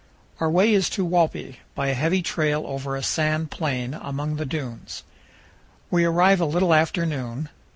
Our way is to Walpi, by a heavy trail over a sand plain, among the dunes. We arrive a little after noon.